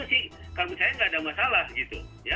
sih kalau saya nggak ada masalah gitu